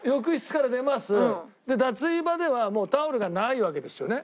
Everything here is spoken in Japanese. で脱衣場ではタオルがないわけですよね？